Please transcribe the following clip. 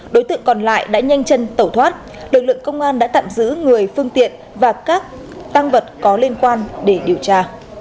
đối tượng còn lại đã nhanh chân tẩu thoát lực lượng công an đã tạm giữ người phương tiện và các tăng vật có liên quan để điều tra